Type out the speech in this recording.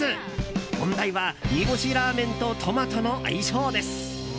問題は煮干しラーメンとトマトの相性です。